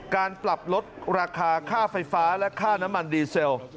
การปรับลดราคาค่าไฟฟ้าและค่าน้ำมันดีเซล